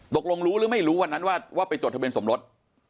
ตกลงรู้หรือไม่รู้วันนั้นว่าไปจดทะเบียนสมรส